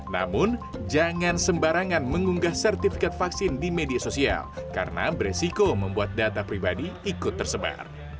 namun jangan sembarangan mengunggah sertifikat vaksin di media sosial karena beresiko membuat data pribadi ikut tersebar